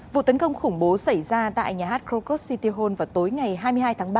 vụ tấn công khủng bố xảy ra tại nhà hát krokos city hon vào tối ngày hai mươi hai tháng ba